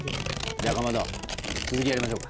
じゃあかまど続きやりましょうか。